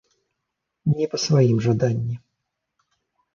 Не па сваім жаданні.